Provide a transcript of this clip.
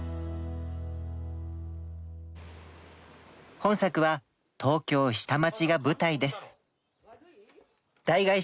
本作は東京下町が舞台です。